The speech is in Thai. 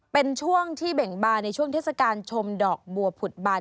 เป็นช่วงที่เบ่งบานในช่วงเทศกาลชมดอกบัวผุดบัน